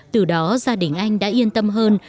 từ đó gia đình anh đã yên tâm hơn